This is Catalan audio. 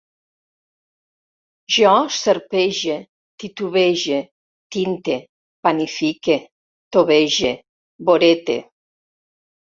Jo serpege, titubege, tinte, panifique, tovege, vorete